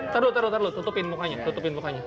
taduh taduh taduh tutupin mukanya tutupin mukanya